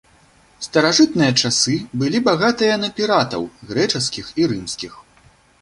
Старажытныя часы былі багатыя на піратаў, грэчаскіх і рымскіх.